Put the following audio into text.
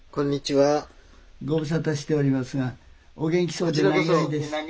ご無沙汰しておりますがお元気そうで何よりです。